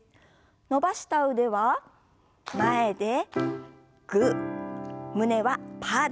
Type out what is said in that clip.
伸ばした腕は前でグー胸はパーです。